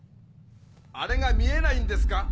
あれが見えないんですか！